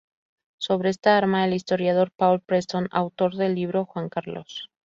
Sobre esta arma, el historiador Paul Preston, autor del libro "Juan Carlos.